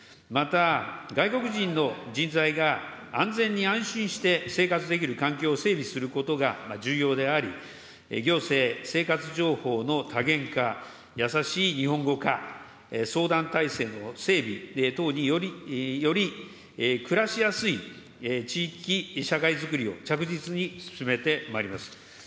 また、外国人の人材が安全に安心して生活できる環境を整備することが重要であり、行政、生活情報の多元化、優しい日本語化、相談体制の整備等により、暮らしやすい地域社会づくりを着実に進めてまいります。